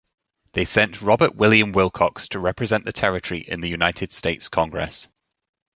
They sent Robert William Wilcox to represent the territory in the United States Congress.